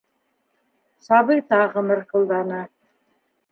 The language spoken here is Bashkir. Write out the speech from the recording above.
Сабый тағы мырҡылданы.